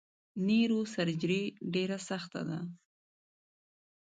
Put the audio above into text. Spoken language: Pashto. نیوروسرجري ډیره سخته ده!